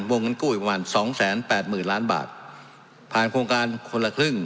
วงเงินกู้อีกประมาณสองแสนแปดหมื่นล้านบาทผ่านโครงการคนละครึ่ง